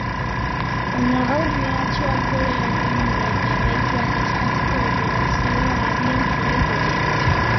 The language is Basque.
Baina gaur mehatxuak gora egin du eta bahituak askatzeko operazioa abian jarri dute.